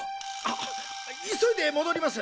急いで戻ります！